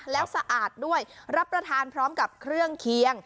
แล้วสะอาดด้วยรับประทานพร้อมกับเครื่องเคียง